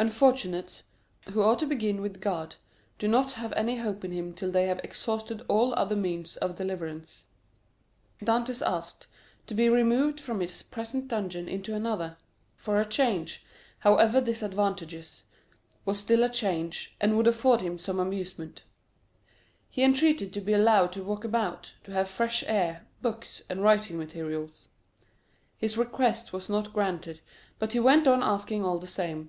Unfortunates, who ought to begin with God, do not have any hope in him till they have exhausted all other means of deliverance. Dantès asked to be removed from his present dungeon into another, even if it were darker and deeper, for a change, however disadvantageous, was still a change, and would afford him some amusement. He entreated to be allowed to walk about, to have fresh air, books, and writing materials. His requests were not granted, but he went on asking all the same.